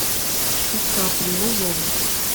Cukkeɣ telluẓem.